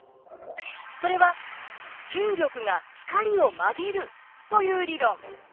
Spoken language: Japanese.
それは重力が光を曲げるという理論。